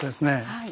はい。